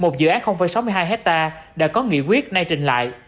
một dự án sáu mươi hai hectare đã có nghị quyết nay trình lại